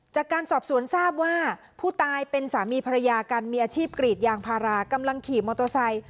จากการสอบสวนทราบว่าผู้ตายเป็นสามีภรรยากันมีอาชีพกรีดยางพารากำลังขี่มอเตอร์ไซค์